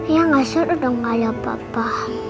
jah nggak suruh dong kala papa